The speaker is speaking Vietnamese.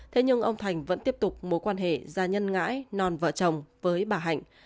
thế nhưng ông thành vẫn tiếp tục mối quan hệ gia nhân ngãi non vợ chồng với bà hạnh